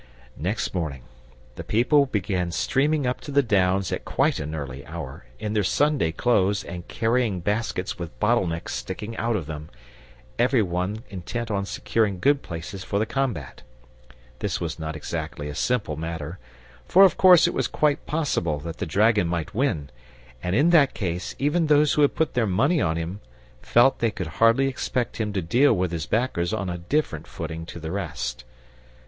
Next morning the people began streaming up to the Downs at quite an early hour, in their Sunday clothes and carrying baskets with bottle necks sticking out of them, every one intent on securing good places for the combat. This was not exactly a simple matter, for of course it was quite possible that the dragon might win, and in that case even those who had put their money on him felt they could hardly expect him to deal with his backers on a different footing to the rest.